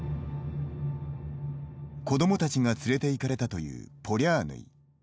子どもたちが連れていかれたというポリャーヌイ。